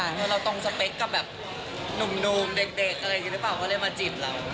คือเราตรงสเปคกับแบบหนุ่มเด็กอะไรอย่างนี้หรือเปล่าก็เลยมาจีบเรา